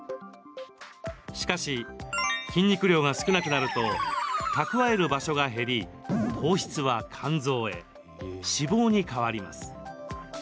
しかし、筋肉量が少なくなると蓄える場所が減り、糖質は肝臓へ脂肪に変わります。